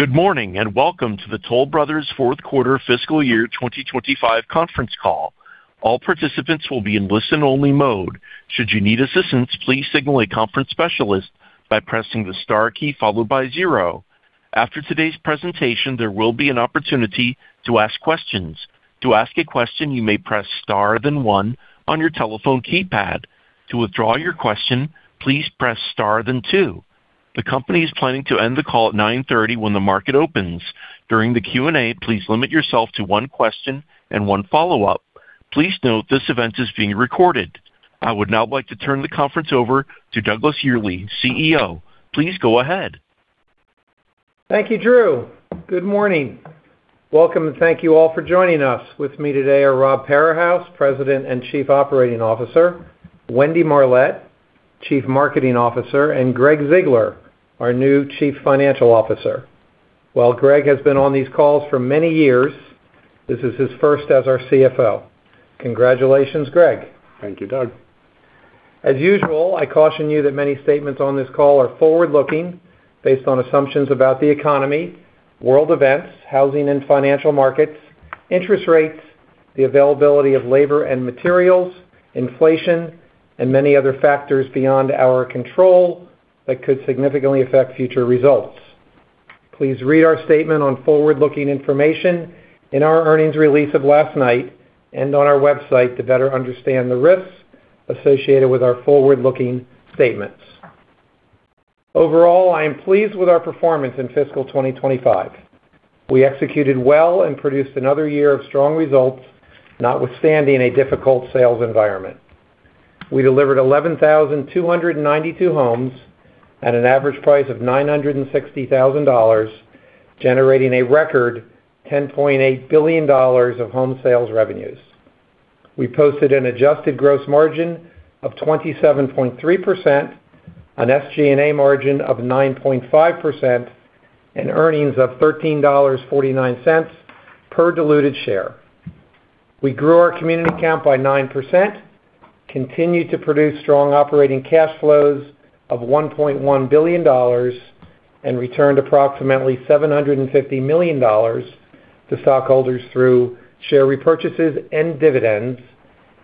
Good morning and welcome to the Toll Brothers Fourth Quarter Fiscal Year 2025 conference call. All participants will be in listen-only mode. Should you need assistance, please signal a conference specialist by pressing the star key followed by zero. After today's presentation, there will be an opportunity to ask questions. To ask a question, you may press star then one on your telephone keypad. To withdraw your question, please press star then two. The company is planning to end the call at 9:30 A.M. when the market opens. During the Q&A, please limit yourself to one question and one follow-up. Please note this event is being recorded. I would now like to turn the conference over to Douglas Yearley, CEO. Please go ahead. Thank you, Drew. Good morning. Welcome and thank you all for joining us. With me today are Rob Parahus, President and Chief Operating Officer. Wendy Marlett, Chief Marketing Officer. And Gregg Ziegler, our new Chief Financial Officer. Gregg has been on these calls for many years. This is his first as our CFO. Congratulations, Gregg. Thank you, Doug. As usual, I caution you that many statements on this call are forward-looking, based on assumptions about the economy, world events, housing and financial markets, interest rates, the availability of labor and materials, inflation, and many other factors beyond our control that could significantly affect future results. Please read our statement on forward-looking information in our earnings release of last night and on our website to better understand the risks associated with our forward-looking statements. Overall, I am pleased with our performance in fiscal 2025. We executed well and produced another year of strong results, notwithstanding a difficult sales environment. We delivered 11,292 homes at an average price of $960,000, generating a record $10.8 billion of home sales revenues. We posted an adjusted gross margin of 27.3%, an SG&A margin of 9.5%, and earnings of $13.49 per diluted share. We grew our community count by 9%, continued to produce strong operating cash flows of $1.1 billion, and returned approximately $750 million to stockholders through share repurchases and dividends,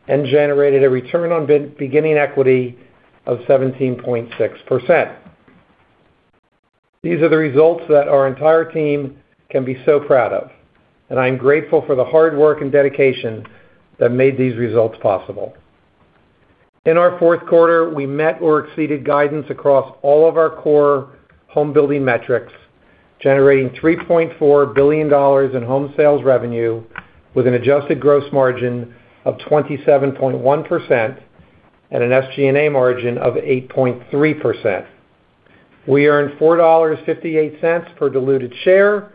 and generated a return on beginning equity of 17.6%. These are the results that our entire team can be so proud of, and I am grateful for the hard work and dedication that made these results possible. In our fourth quarter, we met or exceeded guidance across all of our core home building metrics, generating $3.4 billion in home sales revenue with an adjusted gross margin of 27.1% and an SG&A margin of 8.3%. We earned $4.58 per diluted share,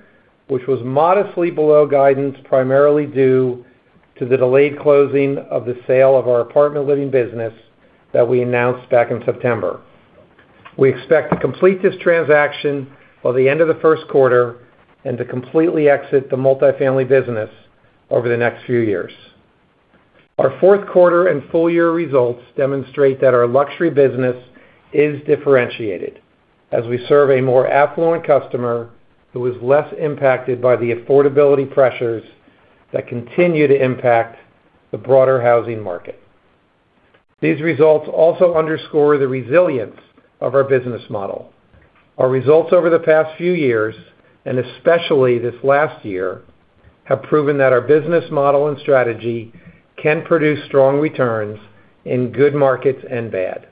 which was modestly below guidance, primarily due to the delayed closing of the sale of our apartment living business that we announced back in September. We expect to complete this transaction by the end of the first quarter and to completely exit the multifamily business over the next few years. Our fourth quarter and full-year results demonstrate that our luxury business is differentiated as we serve a more affluent customer who is less impacted by the affordability pressures that continue to impact the broader housing market. These results also underscore the resilience of our business model. Our results over the past few years, and especially this last year, have proven that our business model and strategy can produce strong returns in good markets and bad.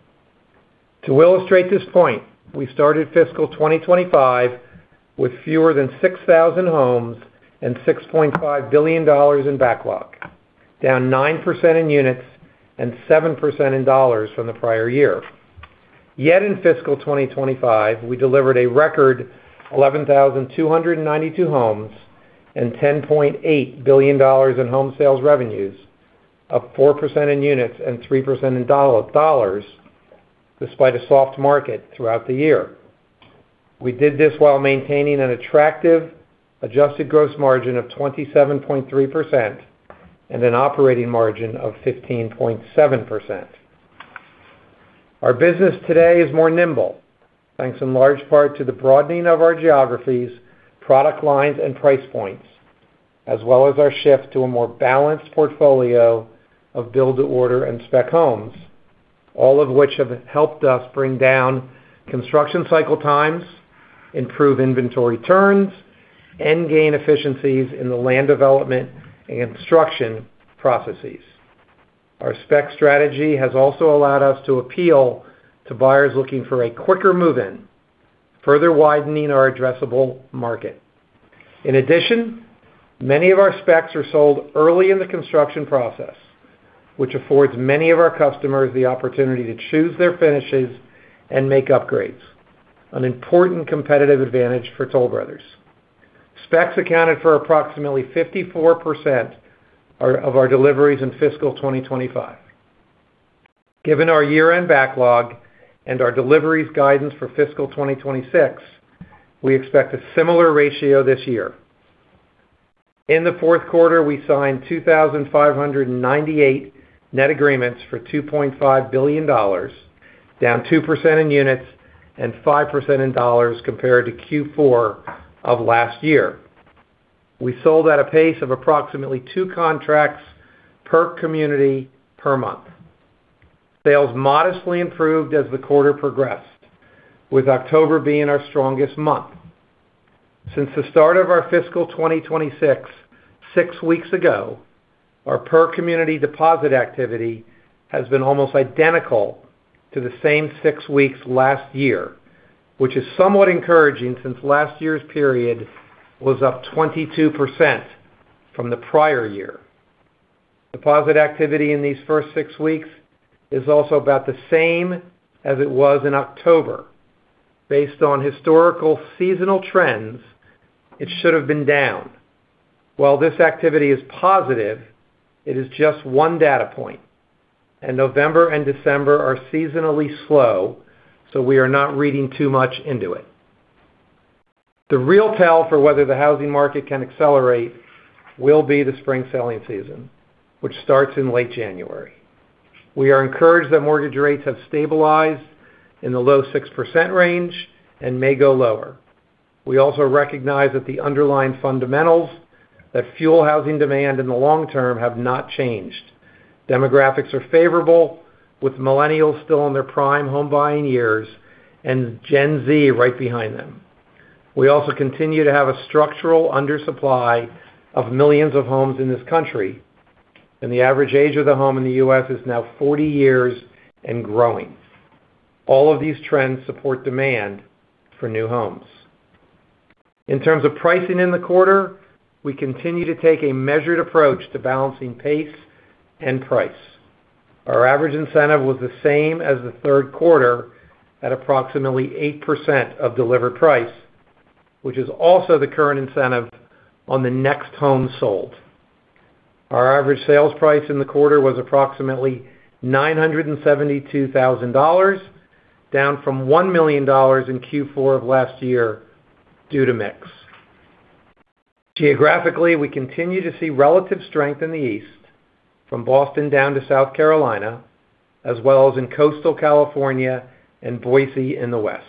To illustrate this point, we started fiscal 2025 with fewer than 6,000 homes and $6.5 billion in backlog, down 9% in units and 7% in dollars from the prior year. Yet in fiscal 2025, we delivered a record 11,292 homes and $10.8 billion in home sales revenues, up 4% in units and 3% in dollars, despite a soft market throughout the year. We did this while maintaining an attractive adjusted gross margin of 27.3% and an operating margin of 15.7%. Our business today is more nimble, thanks in large part to the broadening of our geographies, product lines, and price points, as well as our shift to a more balanced portfolio of build-to-order and spec homes, all of which have helped us bring down construction cycle times, improve inventory turns, and gain efficiencies in the land development and construction processes. Our spec strategy has also allowed us to appeal to buyers looking for a quicker move-in, further widening our addressable market. In addition, many of our specs are sold early in the construction process, which affords many of our customers the opportunity to choose their finishes and make upgrades, an important competitive advantage for Toll Brothers. Specs accounted for approximately 54% of our deliveries in fiscal 2025. Given our year-end backlog and our deliveries guidance for fiscal 2026, we expect a similar ratio this year. In the fourth quarter, we signed 2,598 net agreements for $2.5 billion, down 2% in units and 5% in dollars compared to Q4 of last year. We sold at a pace of approximately two contracts per community per month. Sales modestly improved as the quarter progressed, with October being our strongest month. Since the start of our fiscal 2026, six weeks ago, our per-community deposit activity has been almost identical to the same six weeks last year, which is somewhat encouraging since last year's period was up 22% from the prior year. Deposit activity in these first six weeks is also about the same as it was in October. Based on historical seasonal trends, it should have been down. While this activity is positive, it is just one data point, and November and December are seasonally slow, so we are not reading too much into it. The real tell for whether the housing market can accelerate will be the spring selling season, which starts in late January. We are encouraged that mortgage rates have stabilized in the low 6% range and may go lower. We also recognize that the underlying fundamentals that fuel housing demand in the long term have not changed. Demographics are favorable, with millennials still in their prime home-buying years and Gen Z right behind them. We also continue to have a structural undersupply of millions of homes in this country, and the average age of the home in the U.S. is now 40 years and growing. All of these trends support demand for new homes. In terms of pricing in the quarter, we continue to take a measured approach to balancing pace and price. Our average incentive was the same as the third quarter at approximately 8% of delivered price, which is also the current incentive on the next home sold. Our average sales price in the quarter was approximately $972,000, down from $1 million in Q4 of last year due to mix. Geographically, we continue to see relative strength in the East, from Boston down to South Carolina, as well as in coastal California and Boise in the West.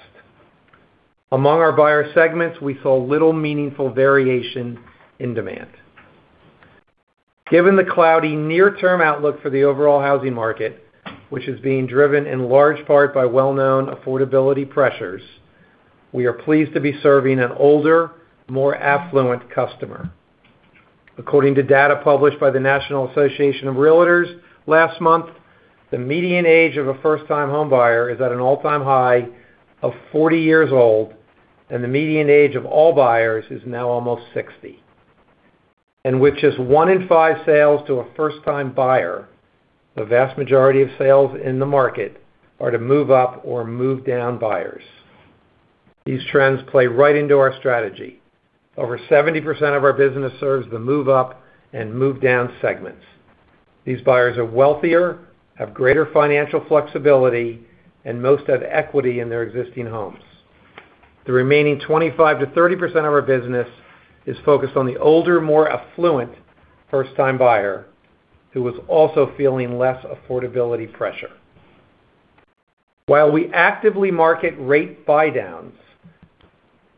Among our buyer segments, we saw little meaningful variation in demand. Given the cloudy near-term outlook for the overall housing market, which is being driven in large part by well-known affordability pressures, we are pleased to be serving an older, more affluent customer. According to data published by the National Association of Realtors last month, the median age of a first-time home buyer is at an all-time high of 40 years old, and the median age of all buyers is now almost 60, and with just one in five sales to a first-time buyer, the vast majority of sales in the market are to move-up or move-down buyers. These trends play right into our strategy. Over 70% of our business serves the move-up and move-down segments. These buyers are wealthier, have greater financial flexibility, and most have equity in their existing homes. The remaining 25%-30% of our business is focused on the older, more affluent first-time buyer who is also feeling less affordability pressure. While we actively market rate buy-downs,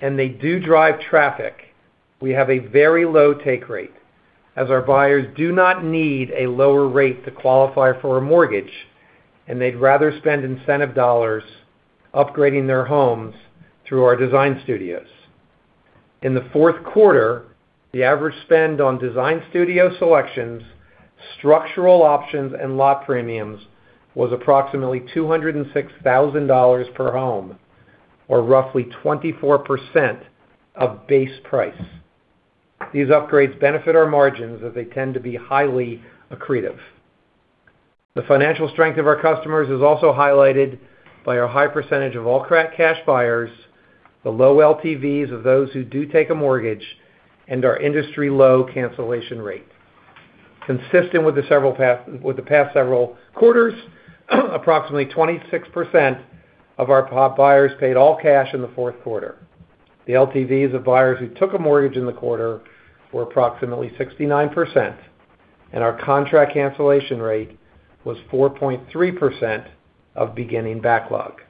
and they do drive traffic, we have a very low take rate as our buyers do not need a lower rate to qualify for a mortgage, and they'd rather spend incentive dollars upgrading their homes through our design studios. In the fourth quarter, the average spend on design studio selections, structural options, and lot premiums was approximately $206,000 per home, or roughly 24% of base price. These upgrades benefit our margins as they tend to be highly accretive. The financial strength of our customers is also highlighted by our high percentage of all cash buyers, the low LTVs of those who do take a mortgage, and our industry-low cancellation rate. Consistent with the past several quarters, approximately 26% of our buyers paid all cash in the fourth quarter. The LTVs of buyers who took a mortgage in the quarter were approximately 69%, and our contract cancellation rate was 4.3% of beginning backlog.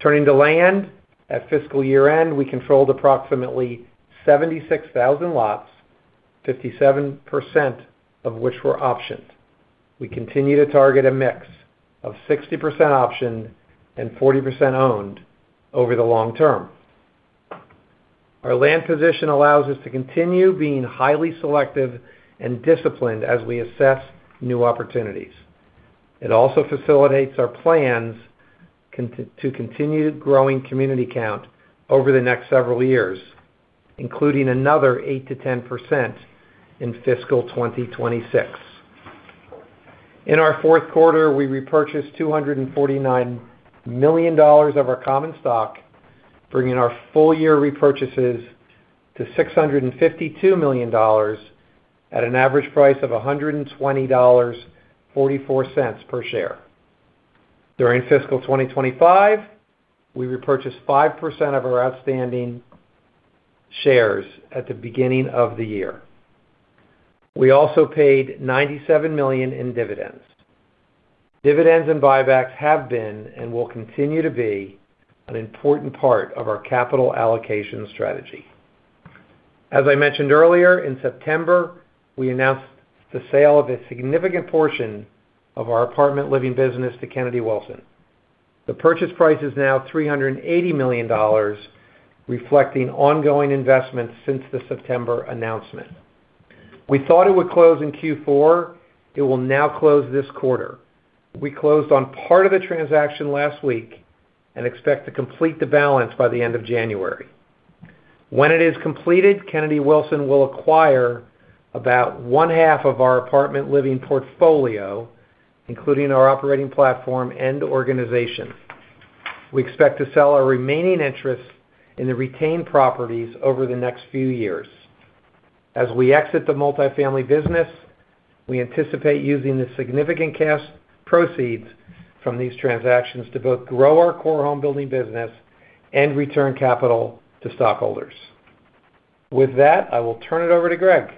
Turning to land, at fiscal year-end, we controlled approximately 76,000 lots, 57% of which were optioned. We continue to target a mix of 60% optioned and 40% owned over the long term. Our land position allows us to continue being highly selective and disciplined as we assess new opportunities. It also facilitates our plans to continue growing community count over the next several years, including another 8%-10% in fiscal 2026. In our fourth quarter, we repurchased $249 million of our common stock, bringing our full-year repurchases to $652 million at an average price of $120.44 per share. During fiscal 2025, we repurchased 5% of our outstanding shares at the beginning of the year. We also paid $97 million in dividends. Dividends and buybacks have been and will continue to be an important part of our capital allocation strategy. As I mentioned earlier, in September, we announced the sale of a significant portion of our apartment living business to Kennedy Wilson. The purchase price is now $380 million, reflecting ongoing investment since the September announcement. We thought it would close in Q4. It will now close this quarter. We closed on part of the transaction last week and expect to complete the balance by the end of January. When it is completed, Kennedy Wilson will acquire about one-half of our apartment living portfolio, including our operating platform and organization. We expect to sell our remaining interest in the retained properties over the next few years. As we exit the multifamily business, we anticipate using the significant cash proceeds from these transactions to both grow our core home building business and return capital to stockholders. With that, I will turn it over to Gregg.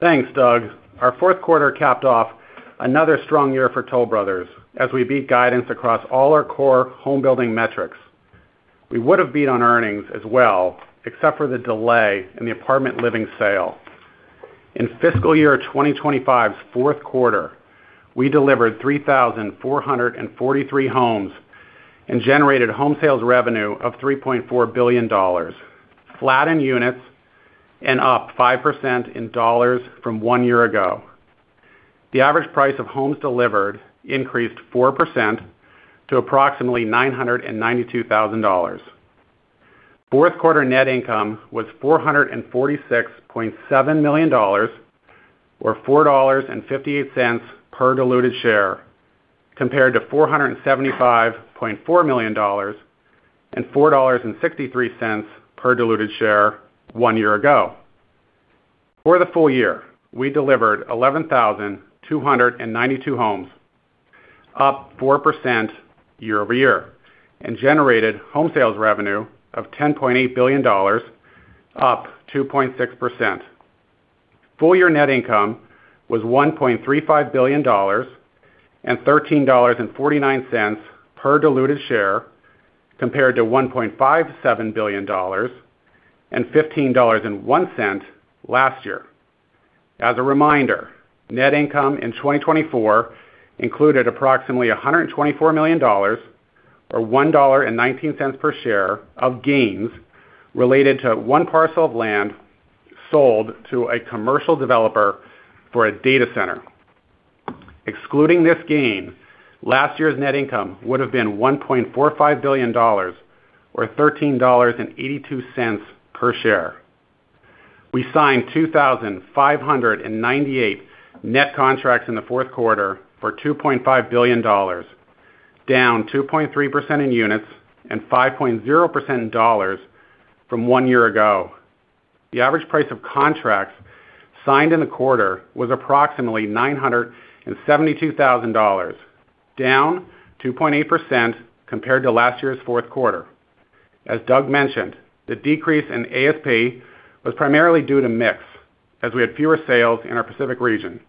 Thanks, Doug. Our fourth quarter capped off another strong year for Toll Brothers as we beat guidance across all our core home building metrics. We would have beat on earnings as well, except for the delay in the apartment living sale. In fiscal year 2025's fourth quarter, we delivered 3,443 homes and generated home sales revenue of $3.4 billion, flat in units and up 5% in dollars from one year ago. The average price of homes delivered increased 4% to approximately $992,000. Fourth quarter net income was $446.7 million, or $4.58 per diluted share, compared to $475.4 million and $4.63 per diluted share one year ago. For the full year, we delivered 11,292 homes, up 4% year over year, and generated home sales revenue of $10.8 billion, up 2.6%. Full-year net income was $1.35 billion and $13.49 per diluted share, compared to $1.57 billion and $15.01 last year. As a reminder, net income in 2024 included approximately $124 million, or $1.19 per share, of gains related to one parcel of land sold to a commercial developer for a data center. Excluding this gain, last year's net income would have been $1.45 billion, or $13.82 per share. We signed 2,598 net contracts in the fourth quarter for $2.5 billion, down 2.3% in units and 5.0% in dollars from one year ago. The average price of contracts signed in the quarter was approximately $972,000, down 2.8% compared to last year's fourth quarter. As Doug mentioned, the decrease in ASP was primarily due to mix, as we had fewer sales in our Pacific region.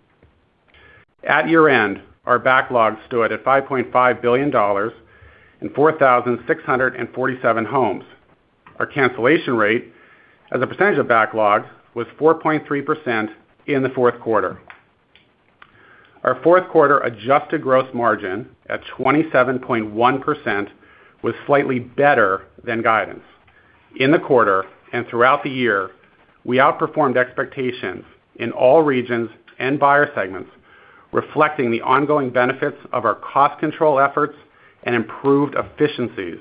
At year-end, our backlog stood at $5.5 billion and 4,647 homes. Our cancellation rate, as a percentage of backlog, was 4.3% in the fourth quarter. Our fourth quarter adjusted gross margin at 27.1% was slightly better than guidance. In the quarter and throughout the year, we outperformed expectations in all regions and buyer segments, reflecting the ongoing benefits of our cost control efforts and improved efficiencies.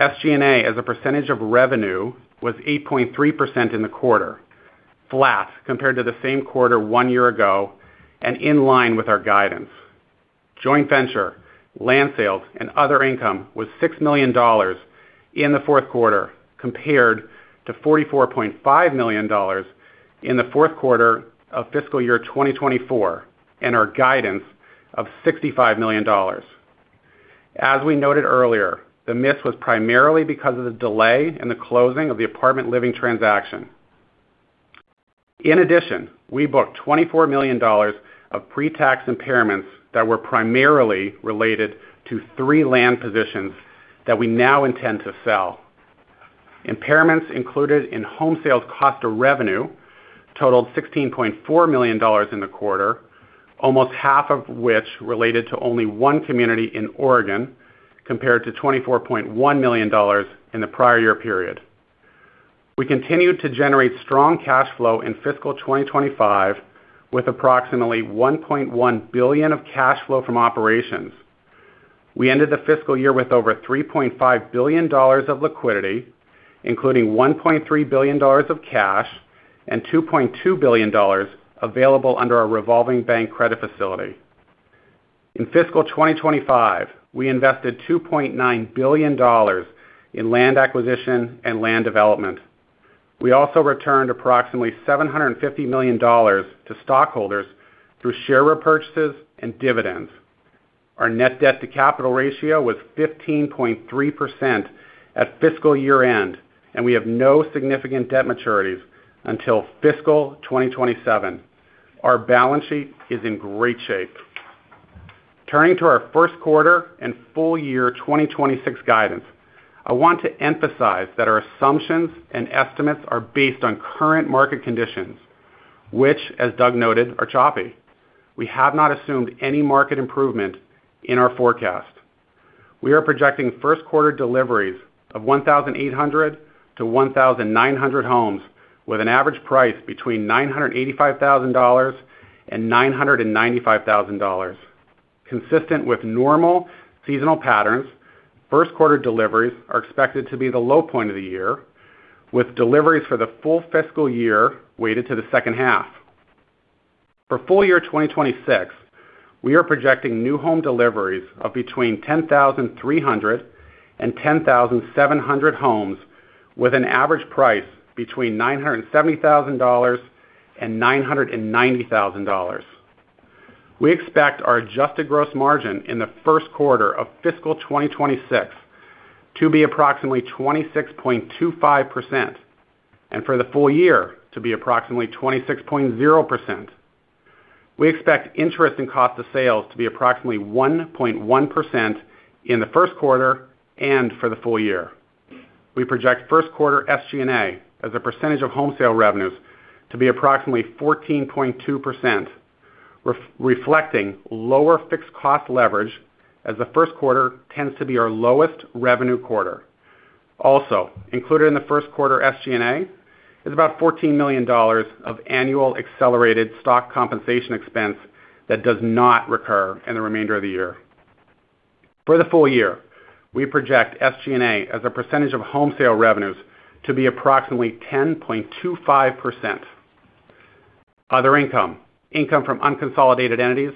SG&A, as a percentage of revenue, was 8.3% in the quarter, flat compared to the same quarter one year ago and in line with our guidance. Joint venture land sales and other income was $6 million in the fourth quarter compared to $44.5 million in the fourth quarter of fiscal year 2024 and our guidance of $65 million. As we noted earlier, the miss was primarily because of the delay in the closing of the apartment living transaction. In addition, we booked $24 million of pre-tax impairments that were primarily related to three land positions that we now intend to sell. Impairments included in home sales cost of revenue totaled $16.4 million in the quarter, almost half of which related to only one community in Oregon compared to $24.1 million in the prior year period. We continued to generate strong cash flow in fiscal 2025 with approximately $1.1 billion of cash flow from operations. We ended the fiscal year with over $3.5 billion of liquidity, including $1.3 billion of cash and $2.2 billion available under our revolving bank credit facility. In fiscal 2025, we invested $2.9 billion in land acquisition and land development. We also returned approximately $750 million to stockholders through share repurchases and dividends. Our net debt-to-capital ratio was 15.3% at fiscal year-end, and we have no significant debt maturities until fiscal 2027. Our balance sheet is in great shape. Turning to our first quarter and full-year 2026 guidance, I want to emphasize that our assumptions and estimates are based on current market conditions, which, as Doug noted, are choppy. We have not assumed any market improvement in our forecast. We are projecting first-quarter deliveries of 1,800-1,900 homes with an average price between $985,000 and $995,000. Consistent with normal seasonal patterns, first-quarter deliveries are expected to be the low point of the year, with deliveries for the full fiscal year weighted to the second half. For full-year 2026, we are projecting new home deliveries of between 10,300 and 10,700 homes with an average price between $970,000 and $990,000. We expect our adjusted gross margin in the first quarter of fiscal 2026 to be approximately 26.25% and for the full year to be approximately 26.0%. We expect interest in cost of sales to be approximately 1.1% in the first quarter and for the full year. We project first-quarter SG&A as a percentage of home sale revenues to be approximately 14.2%, reflecting lower fixed cost leverage as the first quarter tends to be our lowest revenue quarter. Also, included in the first quarter SG&A is about $14 million of annual accelerated stock compensation expense that does not recur in the remainder of the year. For the full year, we project SG&A as a percentage of home sale revenues to be approximately 10.25%. Other income, income from unconsolidated entities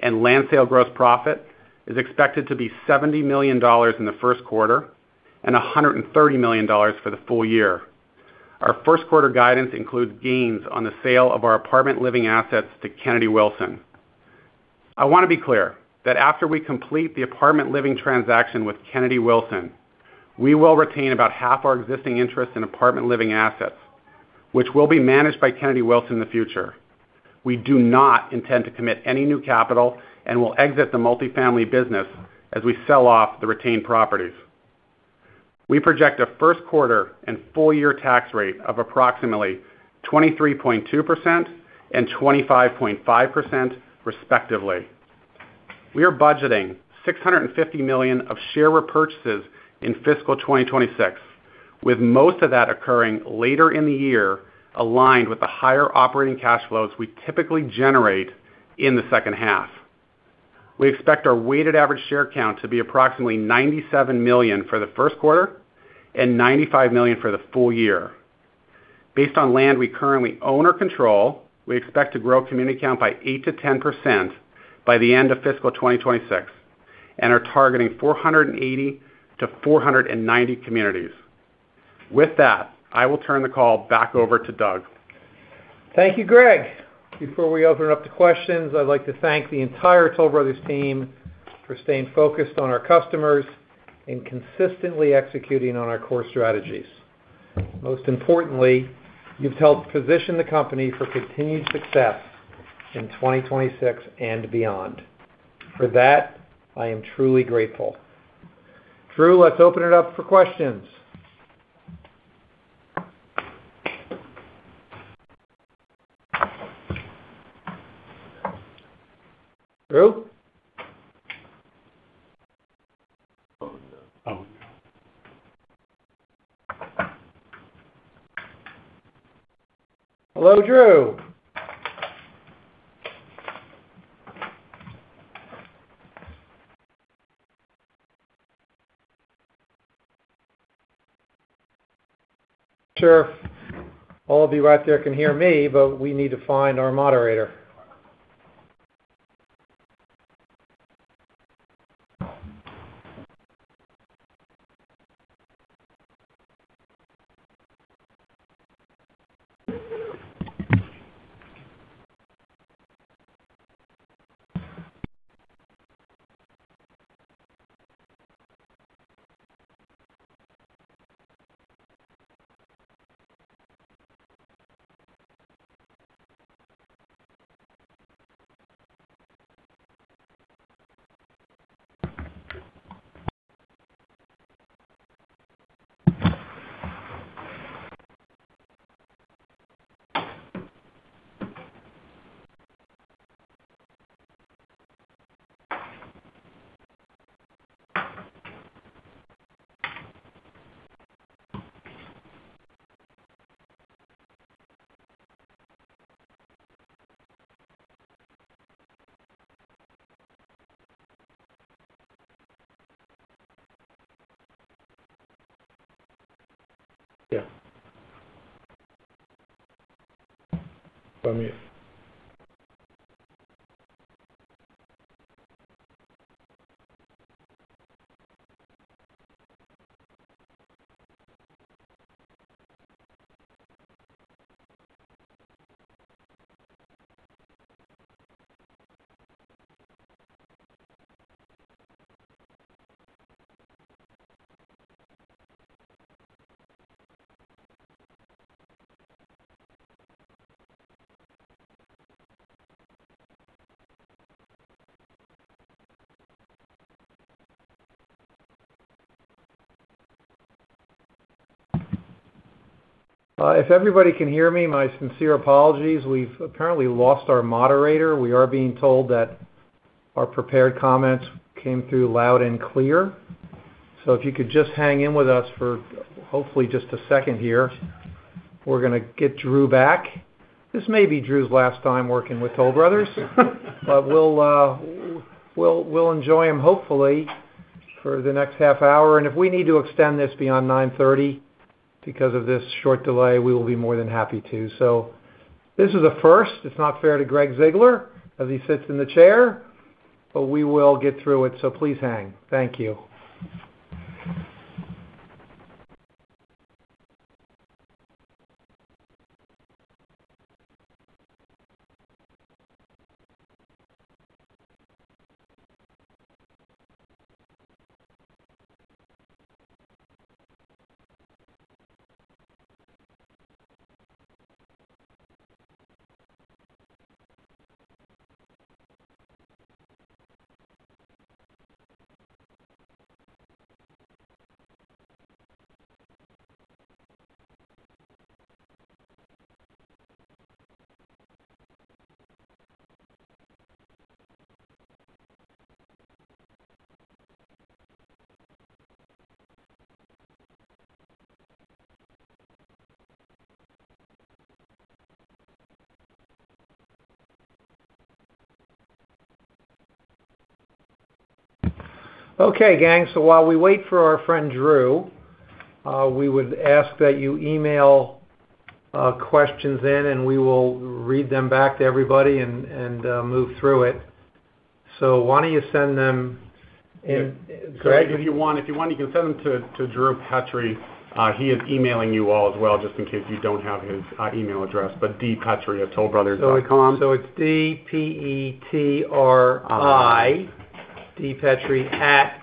and land sale gross profit, is expected to be $70 million in the first quarter and $130 million for the full year. Our first-quarter guidance includes gains on the sale of our apartment living assets to Kennedy Wilson. I want to be clear that after we complete the apartment living transaction with Kennedy Wilson, we will retain about half our existing interest in apartment living assets, which will be managed by Kennedy Wilson in the future. We do not intend to commit any new capital and will exit the multifamily business as we sell off the retained properties. We project a first quarter and full-year tax rate of approximately 23.2% and 25.5%, respectively. We are budgeting $650 million of share repurchases in fiscal 2026, with most of that occurring later in the year aligned with the higher operating cash flows we typically generate in the second half. We expect our weighted average share count to be approximately 97 million for the first quarter and 95 million for the full year. Based on land we currently own or control, we expect to grow community count by 8%-10% by the end of fiscal 2026 and are targeting 480-490 communities. With that, I will turn the call back over to Doug. Thank you, Gregg. Before we open up to questions, I'd like to thank the entire Toll Brothers team for staying focused on our customers and consistently executing on our core strategies. Most importantly, you've helped position the company for continued success in 2026 and beyond. For that, I am truly grateful. Drew, let's open it up for questions. Drew? Oh no. Hello, Drew. Sure. All of you out there can hear me, but we need to find our moderator. Yeah. If everybody can hear me, my sincere apologies. We've apparently lost our moderator. We are being told that our prepared comments came through loud and clear, so if you could just hang in with us for hopefully just a second here, we're going to get Drew back. This may be Drew's last time working with Toll Brothers, but we'll enjoy him hopefully for the next half hour, and if we need to extend this beyond 9:30 A.M. because of this short delay, we will be more than happy to, so this is a first. It's not fair to Gregg Ziegler as he sits in the chair, but we will get through it. So please hang. Thank you. Okay, gang. So while we wait for our friend Drew, we would ask that you email questions in, and we will read them back to everybody and move through it. So why don't you send them? Gregg, if you want, you can send them to Drew Petri. He is emailing you all as well, just in case you don't have his email address. But D. Petri at tollbrothers.com. So it's D-P-E-T-R-I, D. Petri at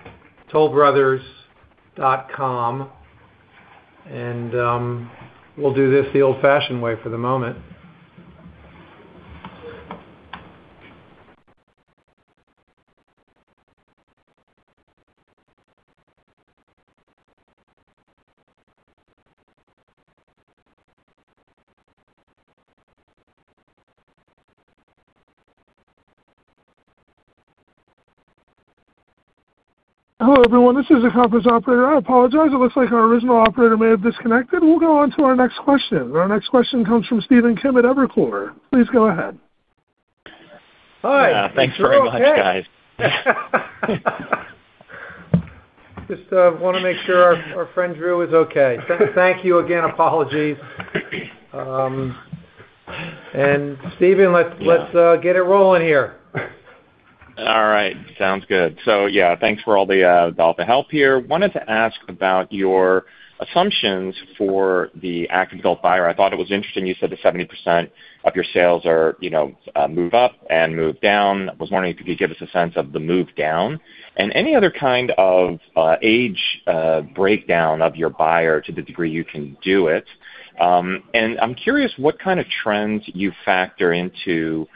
tollbrothers.com. And we'll do this the old-fashioned way for the moment. Hello, everyone. This is the conference operator. I apologize. It looks like our original operator may have disconnected. We'll go on to our next question. Our next question comes from Stephen Kim at Evercore. Please go ahead. Hi. Thanks very much, guys. Just want to make sure our friend Drew is okay. Thank you again. Apologies, and Steven, let's get it rolling here. All right. Sounds good, so yeah, thanks for all the help here. Wanted to ask about your assumptions for the active adult buyer. I thought it was interesting you said that 70% of your sales move up and move down. I was wondering if you could give us a sense of the move down and any other kind of age breakdown of your buyer to the degree you can do it, and I'm curious what kind of trends you factor into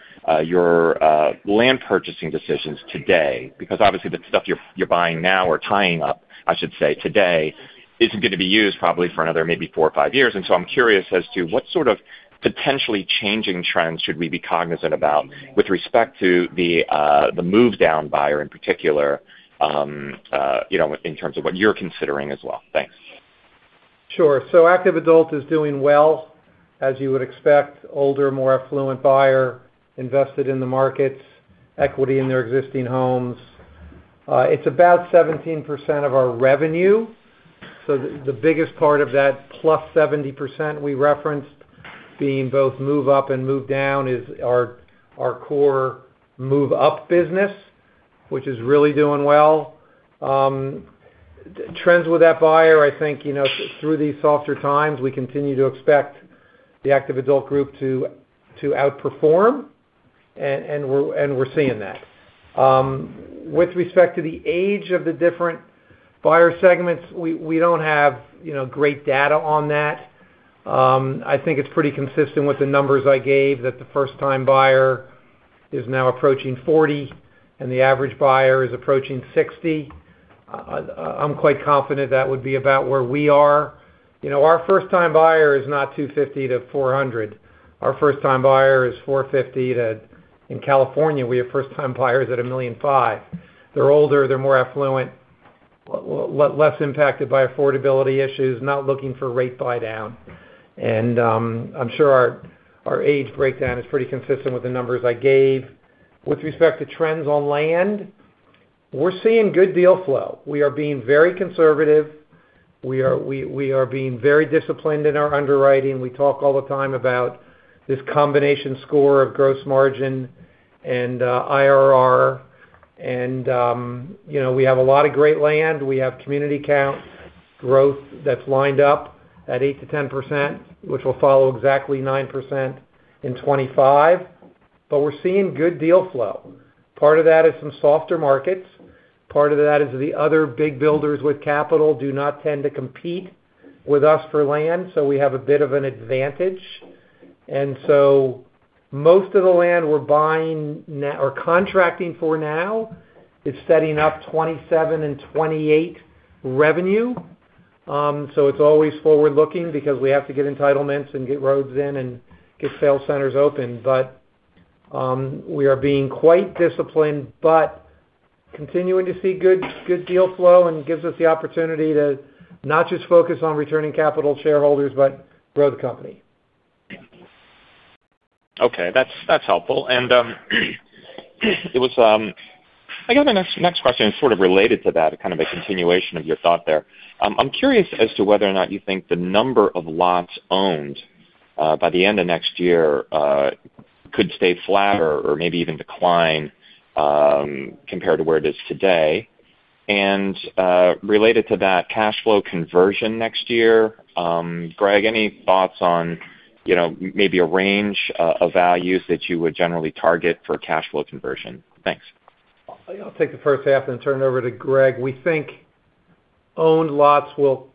your land purchasing decisions today because obviously the stuff you're buying now or tying up, I should say, today isn't going to be used probably for another maybe four or five years. And so I'm curious as to what sort of potentially changing trends should we be cognizant about with respect to the move down buyer in particular in terms of what you're considering as well? Thanks. Sure. So active adult is doing well, as you would expect. Older, more affluent buyer invested in the markets, equity in their existing homes. It's about 17% of our revenue. So the biggest part of that plus 70% we referenced being both move up and move down is our core move up business, which is really doing well. Trends with that buyer, I think through these softer times, we continue to expect the active adult group to outperform, and we're seeing that. With respect to the age of the different buyer segments, we don't have great data on that. I think it's pretty consistent with the numbers I gave that the first-time buyer is now approaching 40 and the average buyer is approaching 60. I'm quite confident that would be about where we are. Our first-time buyer is not 250 to 400. Our first-time buyer is 450 to, in California, we have first-time buyers at $1.5 million. They're older, they're more affluent, less impacted by affordability issues, not looking for rate buy down. And I'm sure our age breakdown is pretty consistent with the numbers I gave. With respect to trends on land, we're seeing good deal flow. We are being very conservative. We are being very disciplined in our underwriting. We talk all the time about this combination score of gross margin and IRR. And we have a lot of great land. We have community count growth that's lined up at 8%-10%, which will follow exactly 9% in 2025. But we're seeing good deal flow. Part of that is some softer markets. Part of that is the other big builders with capital do not tend to compete with us for land, so we have a bit of an advantage. And so most of the land we're buying or contracting for now is setting up 2027 and 2028 revenue. So it's always forward-looking because we have to get entitlements and get roads in and get sales centers open. But we are being quite disciplined, but continuing to see good deal flow and gives us the opportunity to not just focus on returning capital shareholders, but grow the company. Okay. That's helpful. And I guess my next question is sort of related to that, kind of a continuation of your thought there. I'm curious as to whether or not you think the number of lots owned by the end of next year could stay flat or maybe even decline compared to where it is today. And related to that cash flow conversion next year, Gregg, any thoughts on maybe a range of values that you would generally target for cash flow conversion? Thanks. I'll take the first half and turn it over to Gregg. We think owned lots will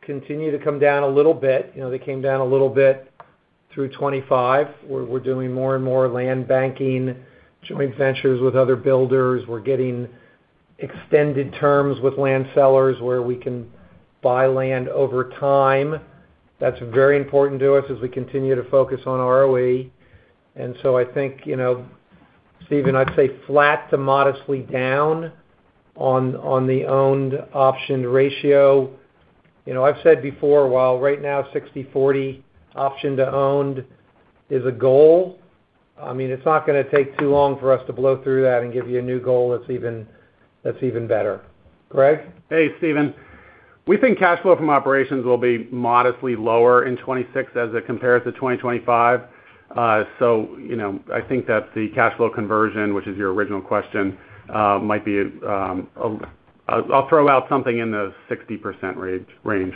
continue to come down a little bit. They came down a little bit through 2025. We're doing more and more land banking, joint ventures with other builders. We're getting extended terms with land sellers where we can buy land over time. That's very important to us as we continue to focus on ROE. And so I think, Steven, I'd say flat to modestly down on the owned option ratio. I've said before, while right now 60/40 option to owned is a goal, I mean, it's not going to take too long for us to blow through that and give you a new goal that's even better. Gregg? Hey, Steven. We think cash flow from operations will be modestly lower in 2026 as it compares to 2025. So I think that the cash flow conversion, which is your original question, might be. I'll throw out something in the 60% range.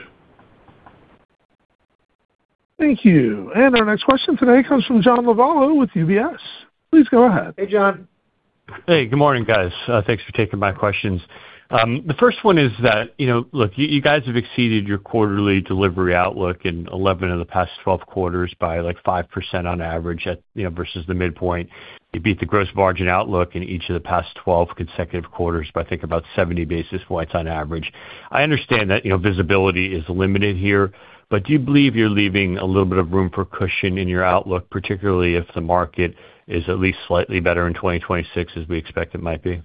Thank you. Our next question today comes from John Lovallo with UBS. Please go ahead. Hey, John. Hey. Good morning, guys. Thanks for taking my questions. The first one is that, look, you guys have exceeded your quarterly delivery outlook in 11 of the past 12 quarters by like 5% on average versus the midpoint. You beat the gross margin outlook in each of the past 12 consecutive quarters by, I think, about 70 basis points on average. I understand that visibility is limited here, but do you believe you're leaving a little bit of room for cushion in your outlook, particularly if the market is at least slightly better in 2026 as we expect it might be?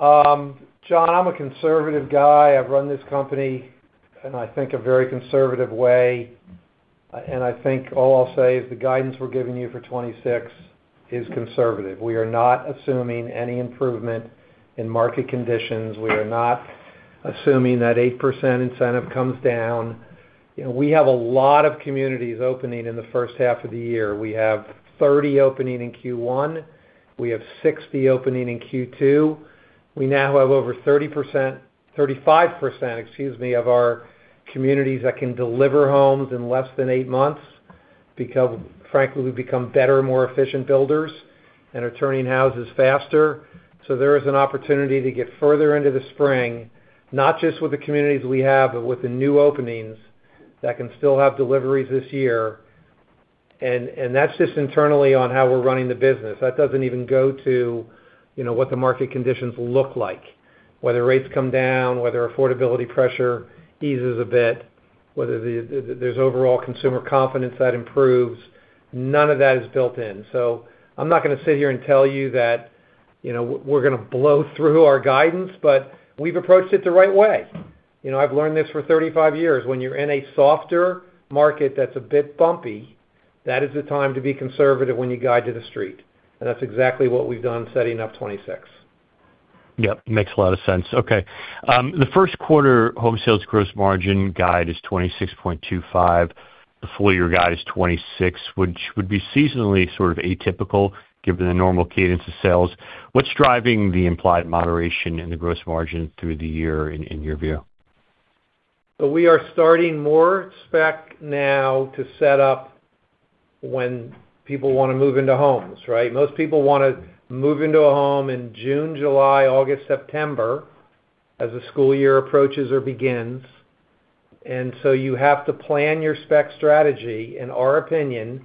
John, I'm a conservative guy. I've run this company in, I think, a very conservative way. I think all I'll say is the guidance we're giving you for 2026 is conservative. We are not assuming any improvement in market conditions. We are not assuming that 8% incentive comes down. We have a lot of communities opening in the first half of the year. We have 30 opening in Q1. We have 60 opening in Q2. We now have over 30%, 35%, excuse me, of our communities that can deliver homes in less than eight months because, frankly, we've become better, more efficient builders and are turning houses faster. So there is an opportunity to get further into the spring, not just with the communities we have, but with the new openings that can still have deliveries this year, and that's just internally on how we're running the business. That doesn't even go to what the market conditions look like, whether rates come down, whether affordability pressure eases a bit, whether there's overall consumer confidence that improves. None of that is built in, so I'm not going to sit here and tell you that we're going to blow through our guidance, but we've approached it the right way. I've learned this for 35 years. When you're in a softer market that's a bit bumpy, that is the time to be conservative when you guide to the street, and that's exactly what we've done setting up 2026. Yep. Makes a lot of sense. Okay. The first quarter home sales gross margin guide is 26.25%. The full year guide is 26%, which would be seasonally sort of atypical given the normal cadence of sales. What's driving the implied moderation in the gross margin through the year in your view? So we are starting more spec now to set up when people want to move into homes, right? Most people want to move into a home in June, July, August, September as the school year approaches or begins. And so you have to plan your spec strategy, in our opinion,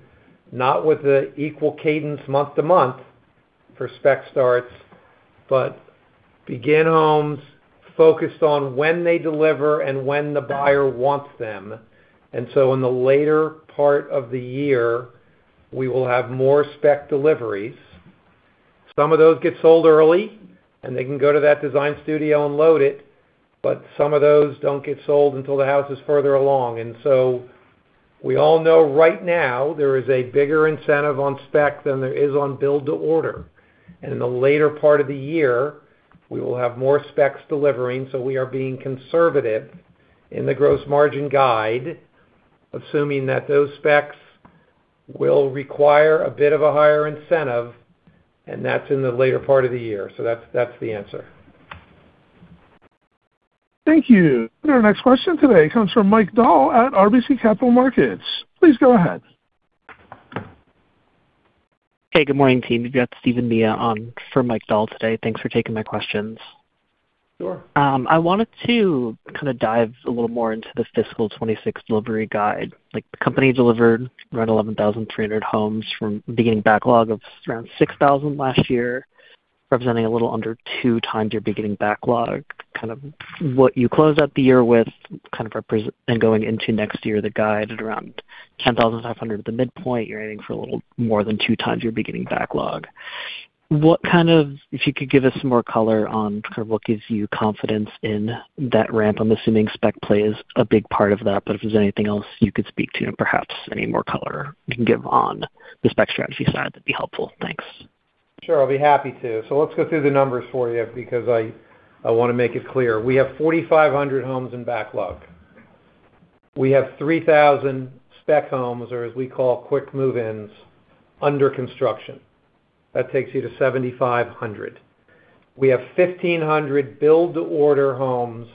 not with the equal cadence month to month for spec starts, but begin homes focused on when they deliver and when the buyer wants them. And so in the later part of the year, we will have more spec deliveries. Some of those get sold early, and they can go to that design studio and load it, but some of those don't get sold until the house is further along. And so we all know right now there is a bigger incentive on spec than there is on build to order. And in the later part of the year, we will have more specs delivering. So we are being conservative in the gross margin guide, assuming that those specs will require a bit of a higher incentive, and that's in the later part of the year. So that's the answer. Thank you. Our next question today comes from Mike Dahl at RBC Capital Markets. Please go ahead. Hey, good morning, team. You've got Steven Mia on for Mike Dahl today. Thanks for taking my questions. Sure. I wanted to kind of dive a little more into the fiscal '26 delivery guide. The company delivered around 11,300 homes from beginning backlog of around 6,000 last year, representing a little under two times your beginning backlog. Kind of what you close out the year with kind of going into next year, the guide at around 10,500 at the midpoint, you're aiming for a little more than two times your beginning backlog. What kind of, if you could give us some more color on kind of what gives you confidence in that ramp? I'm assuming spec plays a big part of that, but if there's anything else you could speak to, perhaps any more color you can give on the spec strategy side, that'd be helpful. Thanks. Sure. I'll be happy to. So let's go through the numbers for you because I want to make it clear. We have 4,500 homes in backlog. We have 3,000 spec homes, or as we call, quick move-ins under construction. That takes you to 7,500. We have 1,500 build to order homes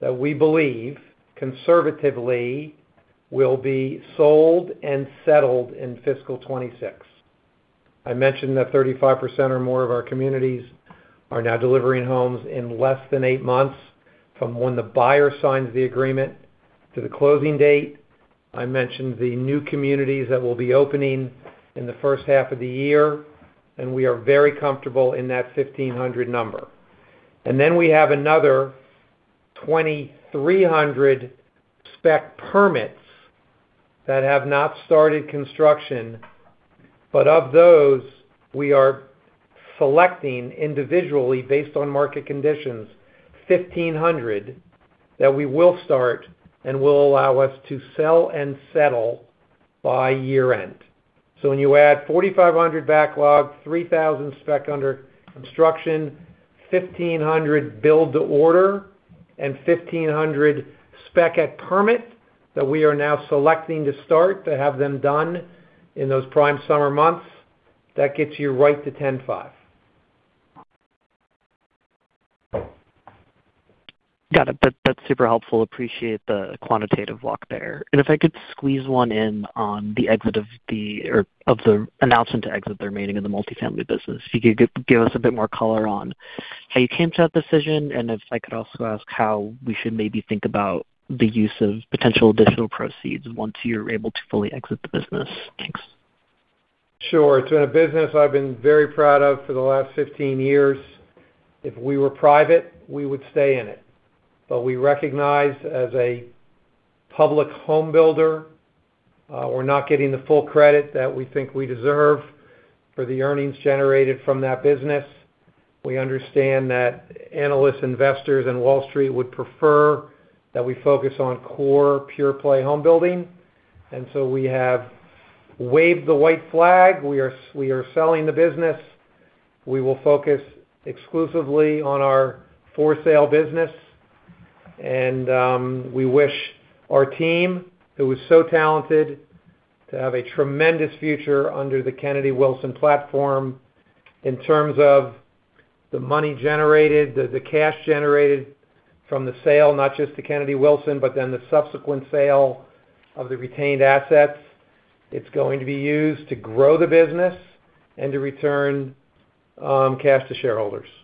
that we believe conservatively will be sold and settled in fiscal 2026. I mentioned that 35% or more of our communities are now delivering homes in less than eight months from when the buyer signs the agreement to the closing date. I mentioned the new communities that will be opening in the first half of the year, and we are very comfortable in that 1,500 number. And then we have another 2,300 spec permits that have not started construction, but of those, we are selecting individually based on market conditions, 1,500 that we will start and will allow us to sell and settle by year-end. So when you add 4,500 backlog, 3,000 spec under construction, 1,500 build to order, and 1,500 spec at permit that we are now selecting to start to have them done in those prime summer months, that gets you right to 10,500. Got it. That's super helpful. Appreciate the quantitative lock there. If I could squeeze one in on the announcement to exit the remaining of the multifamily business, if you could give us a bit more color on how you came to that decision, and if I could also ask how we should maybe think about the use of potential additional proceeds once you are able to fully exit the business. Thanks. Sure. It has been a business I have been very proud of for the last 15 years. If we were private, we would stay in it. But we recognize as a public home builder, we are not getting the full credit that we think we deserve for the earnings generated from that business. We understand that analysts, investors, and Wall Street would prefer that we focus on core pure-play home building. And so we have waved the white flag. We are selling the business. We will focus exclusively on our for-sale business. And we wish our team, who is so talented, to have a tremendous future under the Kennedy Wilson platform in terms of the money generated, the cash generated from the sale, not just the Kennedy Wilson, but then the subsequent sale of the retained assets. It's going to be used to grow the business and to return cash to shareholders. Thank you.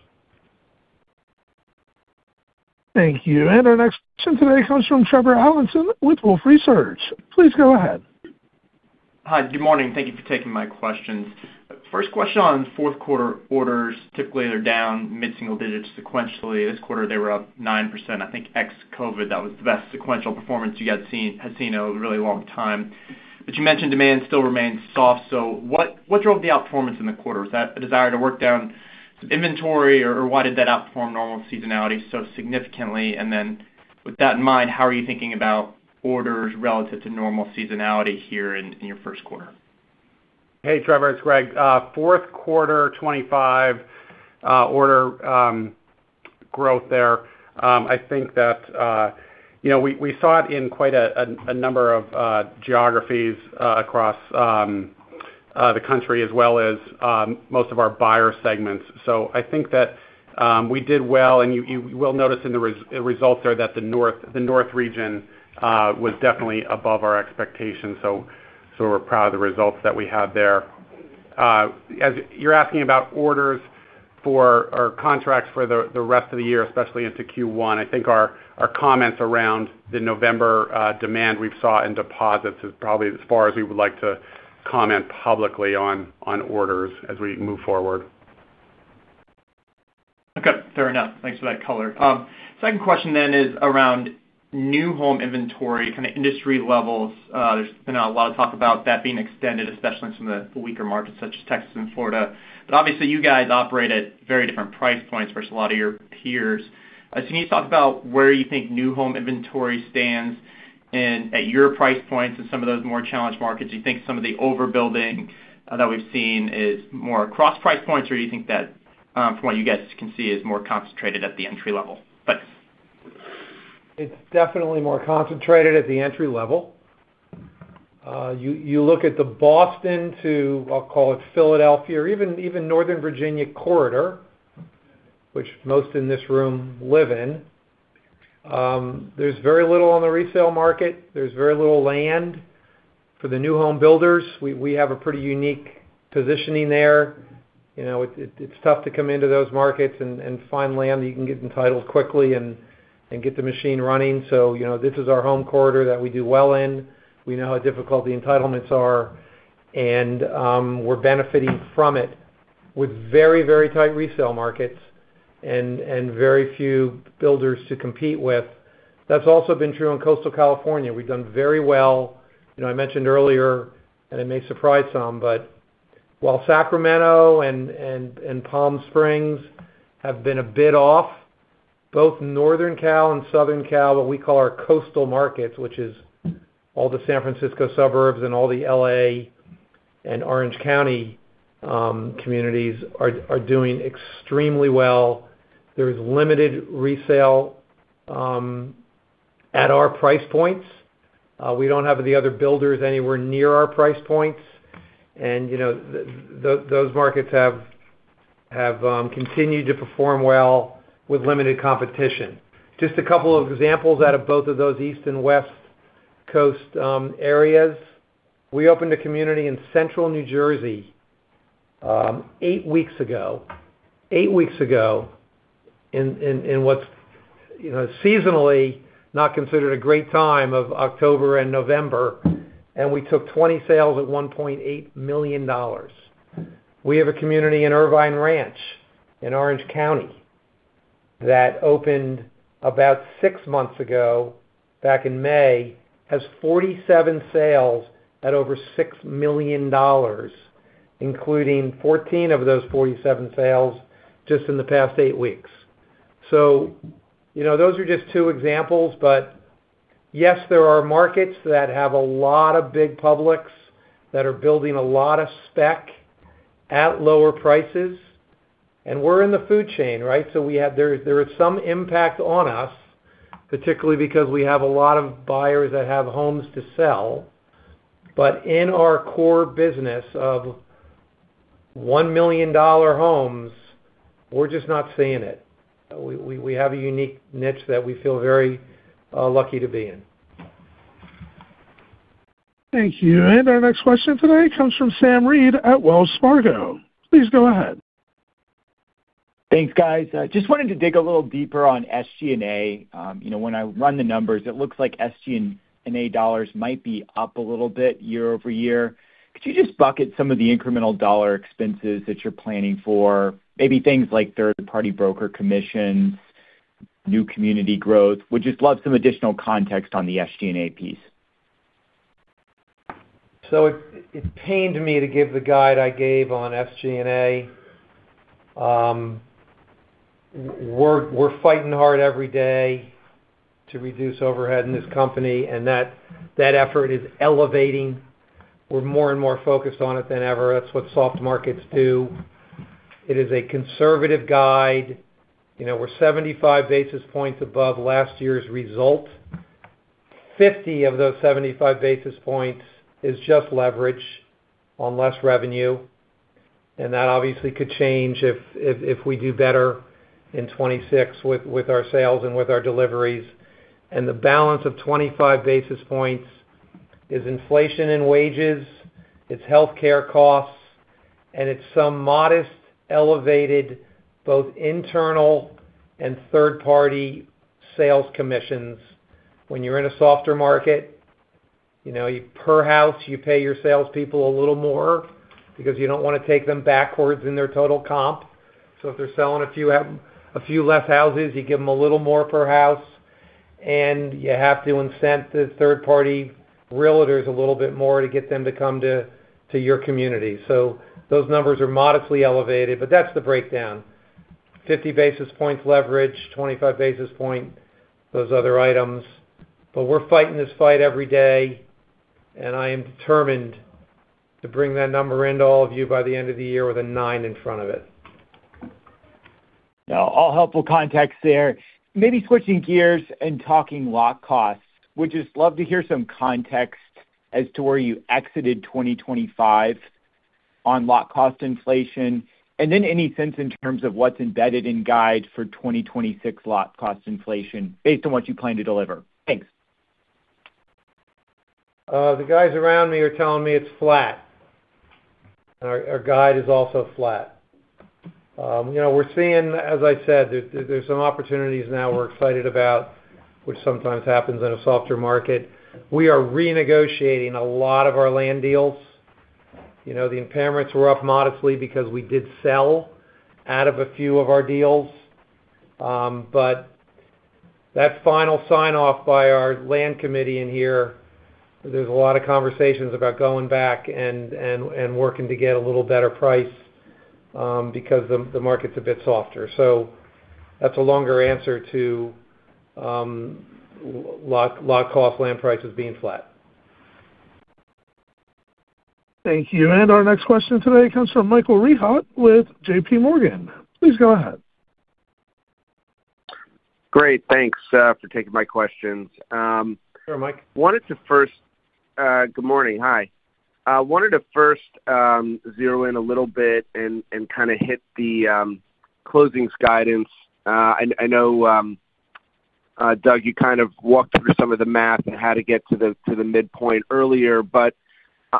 And our next question today comes from Trevor Allinson with Wolfe Research. Please go ahead. Hi. Good morning. Thank you for taking my questions. First question on fourth quarter orders. Typically, they're down mid-single digits sequentially. This quarter, they were up 9%. I think ex-COVID, that was the best sequential performance you had seen in a really long time. But you mentioned demand still remains soft. So what drove the outperformance in the quarter? Was that a desire to work down some inventory, or why did that outperform normal seasonality so significantly? And then with that in mind, how are you thinking about orders relative to normal seasonality here in your first quarter? Hey, Trevor. It's Gregg. Fourth quarter, '25 order growth there. I think that we saw it in quite a number of geographies across the country as well as most of our buyer segments. So I think that we did well, and you will notice in the results there that the north region was definitely above our expectations. So we're proud of the results that we have there. As you're asking about orders for our contracts for the rest of the year, especially into Q1, I think our comments around the November demand we've saw in deposits is probably as far as we would like to comment publicly on orders as we move forward. Okay. Fair enough. Thanks for that color. Second question then is around new home inventory, kind of industry levels. There's been a lot of talk about that being extended, especially in some of the weaker markets such as Texas and Florida. But obviously, you guys operate at very different price points versus a lot of your peers. So can you talk about where you think new home inventory stands at your price points in some of those more challenged markets? Do you think some of the overbuilding that we've seen is more across price points, or do you think that from what you guys can see is more concentrated at the entry level? Thanks. It's definitely more concentrated at the entry level. You look at the Boston to, I'll call it, Philadelphia, or even Northern Virginia corridor, which most in this room live in. There's very little on the resale market. There's very little land for the new home builders. We have a pretty unique positioning there. It's tough to come into those markets and find land that you can get entitled quickly and get the machine running. So this is our home corridor that we do well in. We know how difficult the entitlements are, and we're benefiting from it with very, very tight resale markets and very few builders to compete with. That's also been true in coastal California. We've done very well. I mentioned earlier, and it may surprise some, but while Sacramento and Palm Springs have been a bit off, both Northern Cal and Southern Cal, what we call our coastal markets, which is all the San Francisco suburbs and all the LA and Orange County communities, are doing extremely well. There is limited resale at our price points. We don't have the other builders anywhere near our price points. And those markets have continued to perform well with limited competition. Just a couple of examples out of both of those east and west coast areas. We opened a community in central New Jersey eight weeks ago, eight weeks ago in what's seasonally not considered a great time of October and November, and we took 20 sales at $1.8 million. We have a community in Irvine Ranch in Orange County that opened about six months ago back in May. It has 47 sales at over $6 million, including 14 of those 47 sales just in the past eight weeks. Those are just two examples, but yes, there are markets that have a lot of big publics that are building a lot of spec at lower prices. We're in the food chain, right? There is some impact on us, particularly because we have a lot of buyers that have homes to sell. In our core business of $1 million homes, we're just not seeing it. We have a unique niche that we feel very lucky to be in. Thank you. Our next question today comes from Sam Reid at Wells Fargo. Please go ahead. Thanks, guys. Just wanted to dig a little deeper on SG&A. When I run the numbers, it looks like SG&A dollars might be up a little bit year over year. Could you just bucket some of the incremental dollar expenses that you're planning for, maybe things like third-party broker commissions, new community growth? Would just love some additional context on the SG&A piece. So it pained me to give the guide I gave on SG&A. We're fighting hard every day to reduce overhead in this company, and that effort is elevating. We're more and more focused on it than ever. That's what soft markets do. It is a conservative guide. We're 75 basis points above last year's result. 50 of those 75 basis points is just leverage on less revenue. And that obviously could change if we do better in 2026 with our sales and with our deliveries. And the balance of 25 basis points is inflation and wages. It's healthcare costs, and it's some modestly elevated both internal and third-party sales commissions. When you're in a softer market, per house, you pay your salespeople a little more because you don't want to take them backwards in their total comp. So if they're selling a few less houses, you give them a little more per house. And you have to incent the third-party realtors a little bit more to get them to come to your community. So those numbers are modestly elevated, but that's the breakdown. 50 basis points leverage, 25 basis points, those other items. But we're fighting this fight every day, and I am determined to bring that number into all of you by the end of the year with a nine in front of it. All helpful context there. Maybe switching gears and talking lot costs. Would just love to hear some context as to where you exited 2025 on lot cost inflation, and then any sense in terms of what's embedded in guide for 2026 lot cost inflation based on what you plan to deliver. Thanks. The guys around me are telling me it's flat. Our guide is also flat. We're seeing, as I said, there's some opportunities now we're excited about, which sometimes happens in a softer market. We are renegotiating a lot of our land deals. The impairments were up modestly because we did sell out of a few of our deals. But that final sign-off by our land committee in here, there's a lot of conversations about going back and working to get a little better price because the market's a bit softer. So that's a longer answer to lot cost, land prices being flat. Thank you. Our next question today comes from Michael Rehaut with JPMorgan. Please go ahead. Great. Thanks for taking my questions. Sure, Mike. Good morning. Hi. I wanted to first zero in a little bit and kind of hit the closings guidance. I know, Doug, you kind of walked through some of the math and how to get to the midpoint earlier. But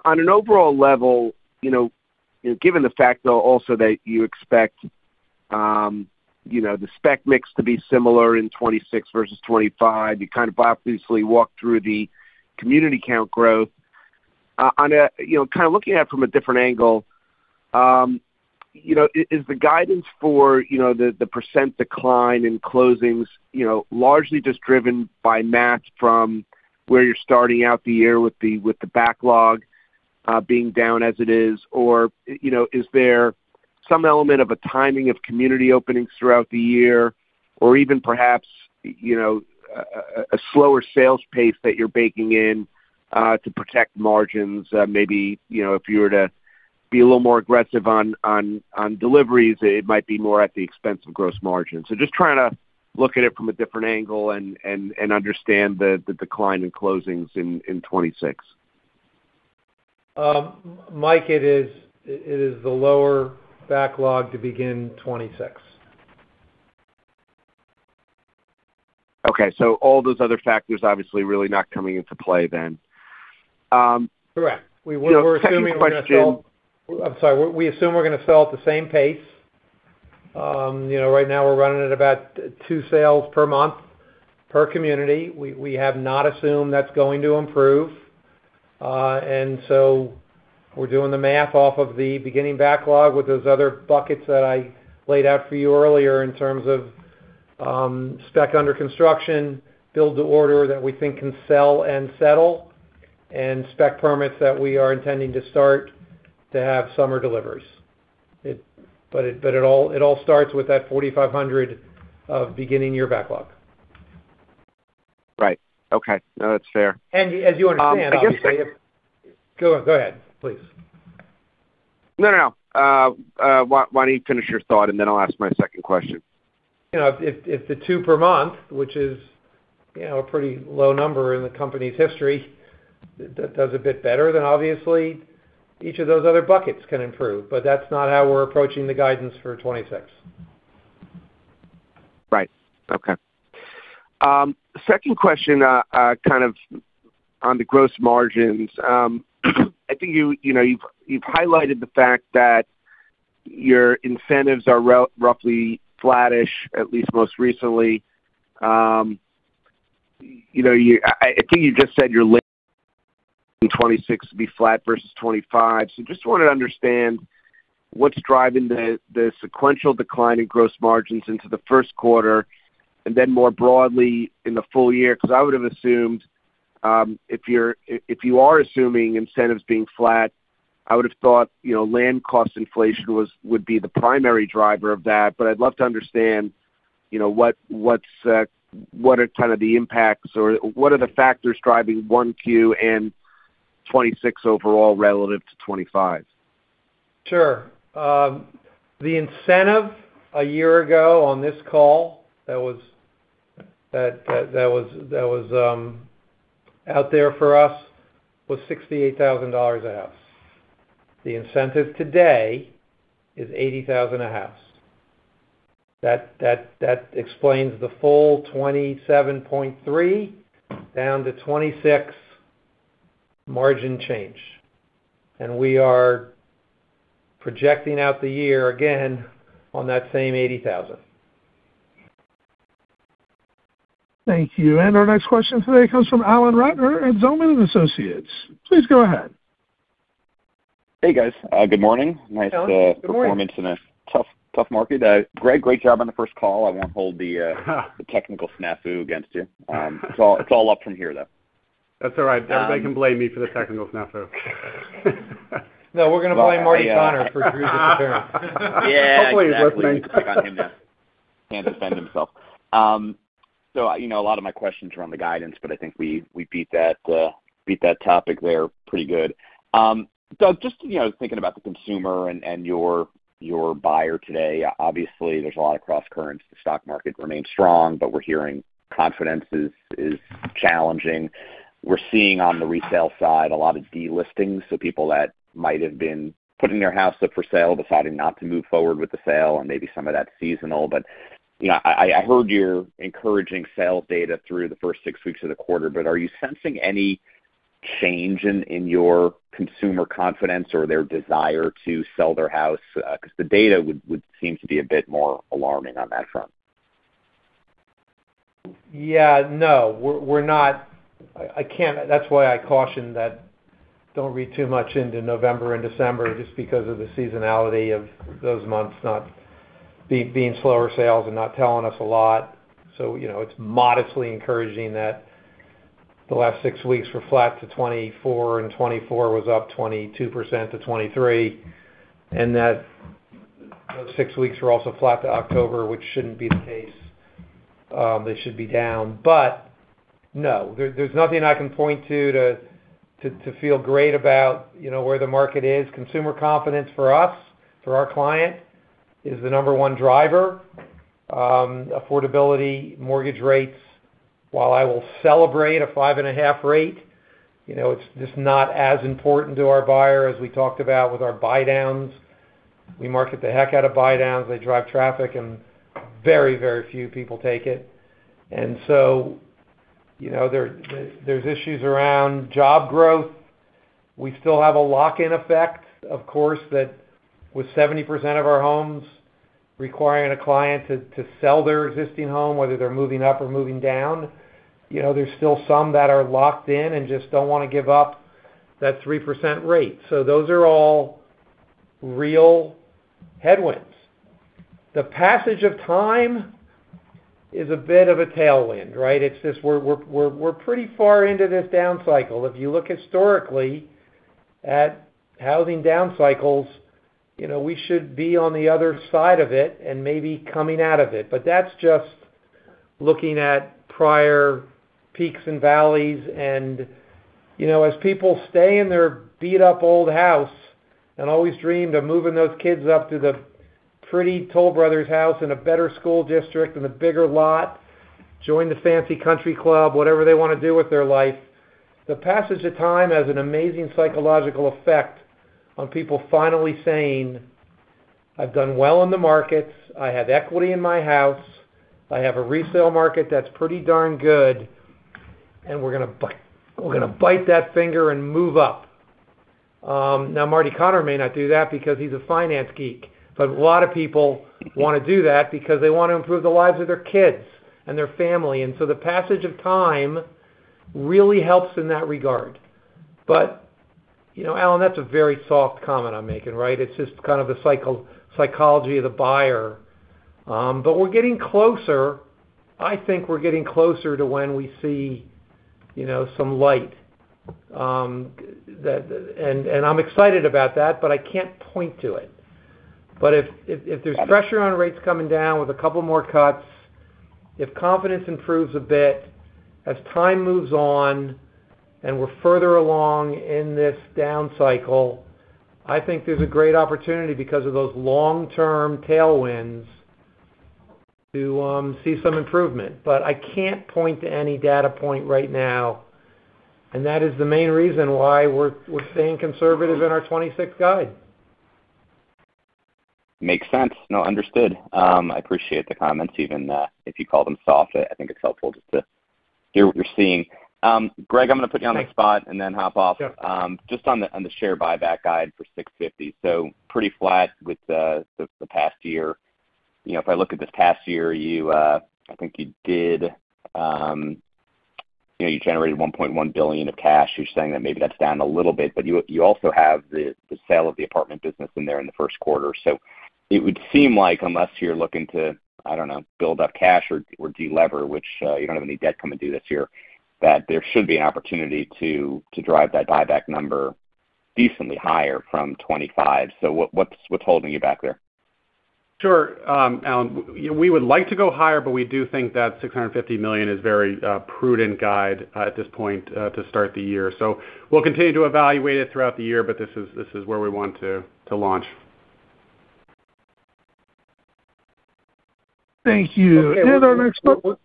on an overall level, given the fact also that you expect the spec mix to be similar in 2026 versus 2025, you kind of obviously walked through the community count growth. Kind of looking at it from a different angle, is the guidance for the % decline in closings largely just driven by math from where you're starting out the year with the backlog being down as it is, or is there some element of a timing of community openings throughout the year, or even perhaps a slower sales pace that you're baking in to protect margins? Maybe if you were to be a little more aggressive on deliveries, it might be more at the expense of gross margins. So just trying to look at it from a different angle and understand the decline in closings in 2026. Mike, it is the lower backlog to begin 2026. Okay. So all those other factors obviously really not coming into play then. Correct. We're assuming we're going to sell. I'm sorry. We assume we're going to sell at the same pace. Right now, we're running at about two sales per month per community. We have not assumed that's going to improve. And so we're doing the math off of the beginning backlog with those other buckets that I laid out for you earlier in terms of spec under construction, build-to-order that we think can sell and settle, and spec permits that we are intending to start to have summer deliveries. But it all starts with that 4,500 of beginning year backlog. Right. Okay. No, that's fair. And as you understand, obviously. Go ahead, please. No, no, no. Why don't you finish your thought, and then I'll ask my second question. If the two per month, which is a pretty low number in the company's history, that does a bit better, then obviously each of those other buckets can improve. But that's not how we're approaching the guidance for 2026. Right. Okay. Second question kind of on the gross margins. I think you've highlighted the fact that your incentives are roughly flattish, at least most recently. I think you just said your late in 2026 would be flat versus 2025. So just wanted to understand what's driving the sequential decline in gross margins into the first quarter, and then more broadly in the full year. Because I would have assumed if you are assuming incentives being flat, I would have thought land cost inflation would be the primary driver of that. But I'd love to understand what are kind of the impacts or what are the factors driving Q1 and 2026 overall relative to 2025? Sure. The incentive a year ago on this call that was out there for us was $68,000 a house. The incentive today is $80,000 a house. That explains the full 27.3% down to 26% margin change, and we are projecting out the year again on that same 80,000. Thank you. Our next question today comes from Alan Ratner at Zelman & Associates. Please go ahead. Hey, guys. Good morning. Nice performance in a tough market. Greg, great job on the first call. I won't hold the technical snafu against you. It's all up from here, though. That's all right. Everybody can blame me for the technical snafu. No, we're going to blame Marty Connor for the impairment. Hopefully, he's listening. Can't defend himself. A lot of my questions are on the guidance, but I think we beat that topic there pretty good. Doug, just thinking about the consumer and your buyer today, obviously, there's a lot of cross-currents. The stock market remains strong, but we're hearing confidence is challenging. We're seeing on the resale side a lot of delistings, so people that might have been putting their house up for sale, deciding not to move forward with the sale, and maybe some of that seasonal. But I heard your encouraging sales data through the first six weeks of the quarter, but are you sensing any change in your consumer confidence or their desire to sell their house? Because the data would seem to be a bit more alarming on that front. Yeah. No, we're not. That's why I cautioned that don't read too much into November and December just because of the seasonality of those months not being slower sales and not telling us a lot. So it's modestly encouraging that the last six weeks were flat to 2024, and 2024 was up 22% to 2023, and that those six weeks were also flat to October, which shouldn't be the case. They should be down. But no, there's nothing I can point to to feel great about where the market is. Consumer confidence for us, for our client, is the number one driver. Affordability, mortgage rates, while I will celebrate a 5.5% rate, it's just not as important to our buyer as we talked about with our buy downs. We market the heck out of buy downs. They drive traffic, and very, very few people take it. And so there's issues around job growth. We still have a lock-in effect, of course, that with 70% of our homes requiring a client to sell their existing home, whether they're moving up or moving down, there's still some that are locked in and just don't want to give up that 3% rate. So those are all real headwinds. The passage of time is a bit of a tailwind, right? It's just we're pretty far into this down cycle. If you look historically at housing down cycles, we should be on the other side of it and maybe coming out of it. But that's just looking at prior peaks and valleys. As people stay in their beat-up old house and always dreamed of moving those kids up to the pretty Toll Brothers house in a better school district and a bigger lot, join the fancy country club, whatever they want to do with their life, the passage of time has an amazing psychological effect on people finally saying, "I've done well in the markets. I have equity in my house. I have a resale market that's pretty darn good, and we're going to bite the bullet and move up." Now, Marty Connor may not do that because he's a finance geek, but a lot of people want to do that because they want to improve the lives of their kids and their family. And so the passage of time really helps in that regard. But Alan, that's a very soft comment I'm making, right? It's just kind of the psychology of the buyer. But we're getting closer. I think we're getting closer to when we see some light. And I'm excited about that, but I can't point to it. But if there's pressure on rates coming down with a couple more cuts, if confidence improves a bit, as time moves on and we're further along in this down cycle, I think there's a great opportunity because of those long-term tailwinds to see some improvement. But I can't point to any data point right now, and that is the main reason why we're staying conservative in our 2026 guide. Makes sense. No, understood. I appreciate the comments, even if you call them soft. I think it's helpful just to hear what you're seeing. Greg, I'm going to put you on the spot and then hop off. Just on the share buyback guide for $650 million, so pretty flat with the past year. If I look at this past year, I think you did, you generated $1.1 billion of cash. You're saying that maybe that's down a little bit, but you also have the sale of the apartment business in there in the first quarter. So it would seem like unless you're looking to, I don't know, build up cash or delever, which you don't have any debt coming due this year, that there should be an opportunity to drive that buyback number decently higher from 2025. So what's holding you back there? Sure, Alan. We would like to go higher, but we do think that $650 million is a very prudent guide at this point to start the year. So we'll continue to evaluate it throughout the year, but this is where we want to launch. Thank you. And our next question.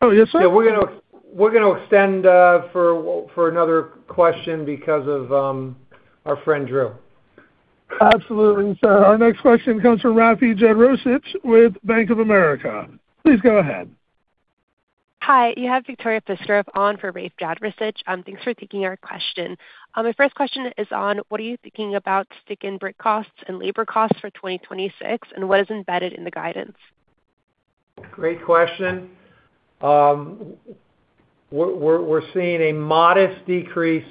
Oh, yes? Yeah. We're going to extend for another question because of our friend, Drew. Absolutely. So our next question comes from Rafe Jadrosic with Bank of America. Please go ahead. Hi. You have Victoria Piskarev on for Rafe Jadrosic. Thanks for taking our question. My first question is on what are you thinking about stick-and-brick costs and labor costs for 2026, and what is embedded in the guidance? Great question. We're seeing a modest decrease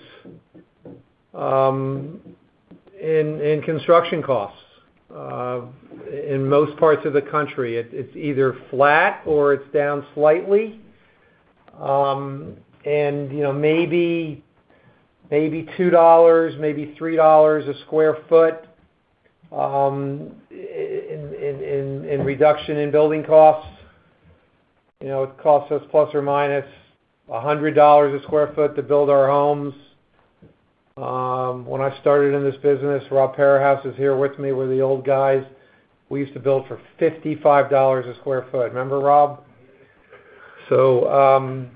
in construction costs in most parts of the country. It's either flat or it's down slightly. And maybe $2, maybe $3 a sq ft in reduction in building costs. It costs us plus or minus $100 a sq ft to build our homes. When I started in this business, Rob Parahus is here with me with the old guys. We used to build for $55 a sq ft. Remember, Rob? So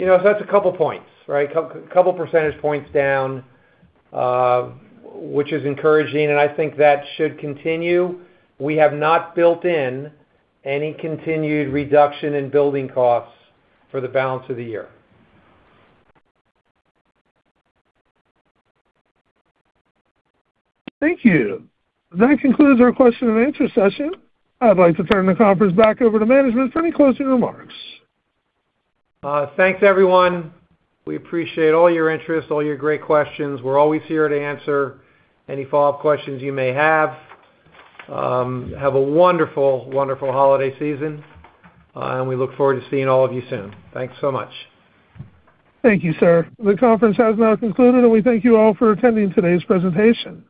that's a couple of points, right? A couple of percentage points down, which is encouraging, and I think that should continue. We have not built in any continued reduction in building costs for the balance of the year. Thank you. That concludes our question and answer session. I'd like to turn the conference back over to management for any closing remarks. Thanks, everyone. We appreciate all your interest, all your great questions. We're always here to answer any follow-up questions you may have. Have a wonderful, wonderful holiday season, and we look forward to seeing all of you soon. Thanks so much. Thank you, sir. The conference has now concluded, and we thank you all for attending today's presentation.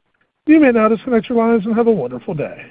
You may now disconnect your lines and have a wonderful day.